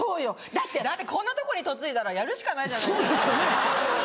だってこんなとこに嫁いだらやるしかないじゃないですか。